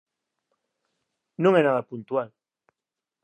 Non é nada puntual.